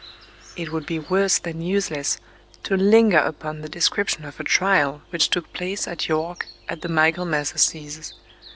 It would be worse than useless to linger upon the description of a trial which took place at York at the Michaelmas Assizes.